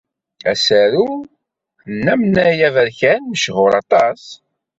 Asaru n Amnay Aberkan mechuṛ aṭas.